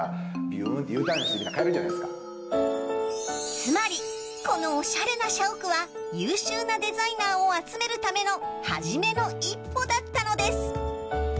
つまりこのおしゃれな社屋は優秀なデザイナーを集めるためのはじめの一歩だったのです。